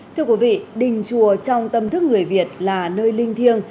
thưa quý vị đình chùa trong tâm thức người việt là nơi linh thiêng